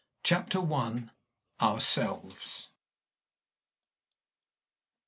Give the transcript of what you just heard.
CHAPTER I. OURSELVES.